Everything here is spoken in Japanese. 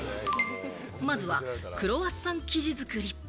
まずはクロワッサン生地作り。